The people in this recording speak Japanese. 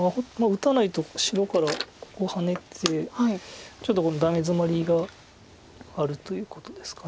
打たないと白からここハネてちょっとダメヅマリがあるということですか。